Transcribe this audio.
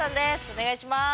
お願いします。